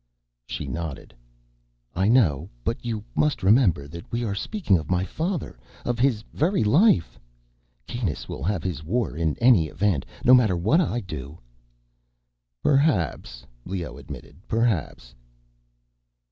She nodded. "I know. But you must remember that we are speaking of my father, of his very life. Kanus will have his war in any event, no matter what I do." "Perhaps," Leoh admitted. "Perhaps."